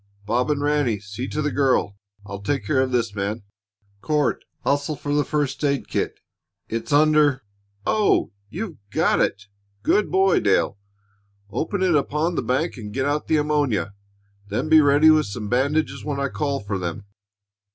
Bob and Ranny see to the girl! I'll take care of this man. Court, hustle for the first aid kit; it's under Oh, you've got it! Good boy, Dale. Open it upon the bank and get out the ammonia. Then be ready with some bandages when I call for them.